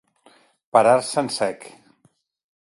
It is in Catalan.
Parar-se en sec.